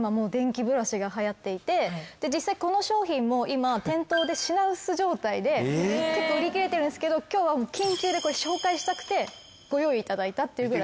実際この商品も今店頭で品薄状態で結構売り切れてるんですけど今日は緊急でこれ紹介したくてご用意頂いたっていうぐらい。